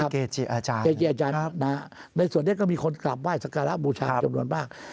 อ๋อเกจอาจารย์นะครับในส่วนนี้ก็มีคนกลับว่ายสักการะบูชาจำนวนมาก